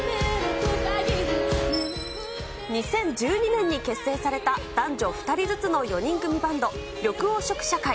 ２０１２年に結成された男女２人ずつの４人組バンド、緑黄色社会。